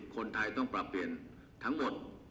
คนไทยต้องปรับเปลี่ยนทั้งหมด